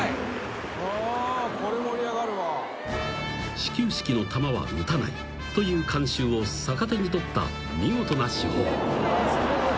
［始球式の球は打たないという慣習を逆手に取った見事な手法］